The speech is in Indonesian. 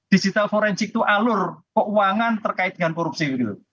digital forensik itu alur keuangan terkait dengan korupsi